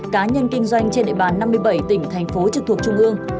cá nhân kinh doanh trên đệ bán năm mươi bảy tỉnh thành phố trực thuộc trung ương